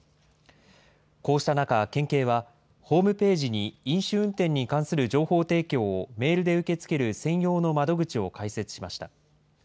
こうした中、県警は、ホームページに飲酒運転に関する情報提供をメールで受け付ける専用の窓口を開設しました。